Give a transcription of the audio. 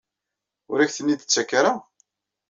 Ur ak-ten-id-tettak ara?